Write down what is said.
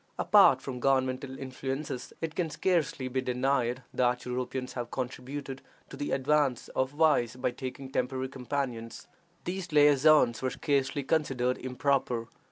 Apart from governmental influences, it can scarcely be denied that Europeans have contributed to the advance of vice by taking temporary companions. These liaisons were scarcely considered improper.